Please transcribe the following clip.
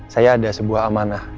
saya ada sebuah amanah